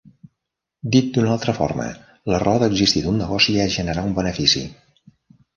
Dit d'una altra forma, la raó d'existir d'un negoci és generar un benefici.